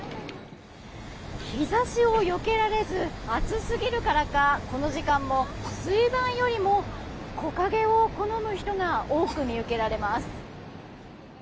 日差しをよけられず暑すぎるからかこの時間も水盤よりも木陰を好む人が多く見受けられます。